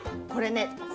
これね」。